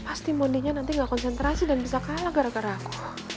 astimoninya nanti gak konsentrasi dan bisa kalah gara gara aku